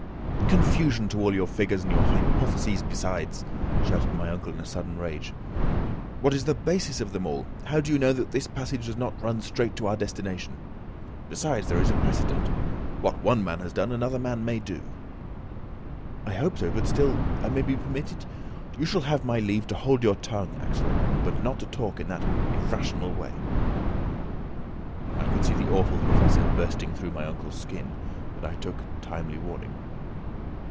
"Confusion to all your figures, and all your hypotheses besides," shouted my uncle in a sudden rage. "What is the basis of them all? How do you know that this passage does not run straight to our destination? Besides, there is a precedent. What one man has done, another may do." "I hope so; but, still, I may be permitted " "You shall have my leave to hold your tongue, Axel, but not to talk in that irrational way." I could see the awful Professor bursting through my uncle's skin, and I took timely warning.